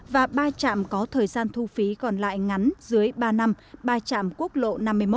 và ba trạm có thời gian thu phí còn lại ngắn dưới ba năm ba trạm quốc lộ năm mươi một